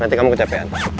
nanti kamu kecepean